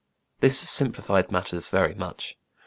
This simplified matters very much.